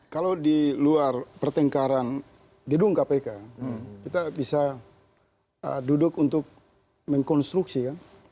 kalau di luar pertengkaran gedung kpk kita bisa duduk untuk mengkonstruksi ya